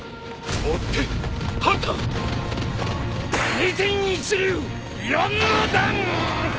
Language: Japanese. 二天一流四の段！